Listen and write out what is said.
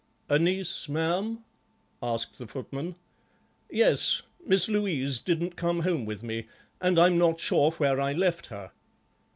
"A niece, ma'am?" asked the footman. "Yes, Miss Louise didn't come home with me, and I'm not sure where I left her."